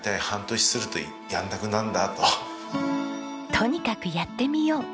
とにかくやってみよう。